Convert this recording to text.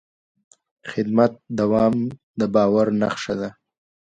د خدمت دوام د باور نښه ده.